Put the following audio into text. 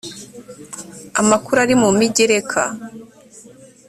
amakuru ari mu migereka